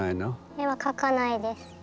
絵は描かないです。